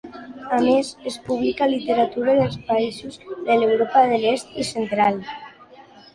A més es publica literatura dels països de l'Europa de l'Est i Central.